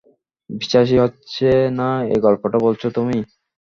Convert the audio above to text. বিশ্বাস-ই হচ্ছে না এই গল্পটা বলছো তুমি।